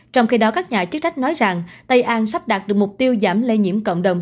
trong khi đó các nhà chức trách nói rằng tây an sắp đạt được mục tiêu giảm lây nhiễm cộng đồng